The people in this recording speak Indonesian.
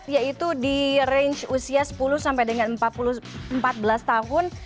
yaitu di range usia sepuluh sampai dengan empat belas tahun